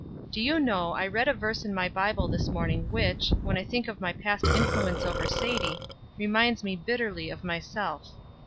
Do you know I read a verse in my Bible this morning which, when I think of my past influence over Sadie, reminds me bitterly of myself.